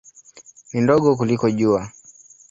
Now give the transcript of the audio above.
Ni ndogo kuliko Jua.